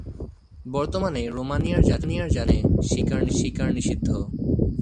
বর্তমানে রোমানিয়ার জাতীয় উদ্যানে শিকার নিষিদ্ধ।